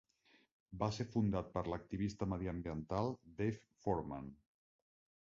Va ser fundat per l'activista mediambiental Dave Foreman.